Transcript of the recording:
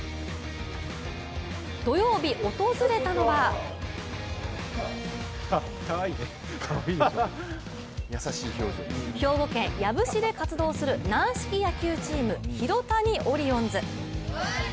土曜日、訪れたのは兵庫県養父市で活動する軟式野球チーム、広谷オリオンズ。